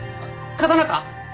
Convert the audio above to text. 刀か？